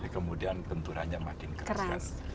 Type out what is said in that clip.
kemudian tenturannya makin keras